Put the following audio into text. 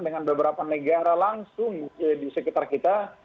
dengan beberapa negara langsung di sekitar kita